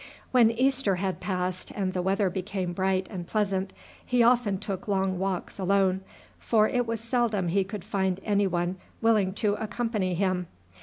When Easter had passed and the weather became bright and pleasant he often took long walks alone, for it was seldom he could find anyone willing to accompany him.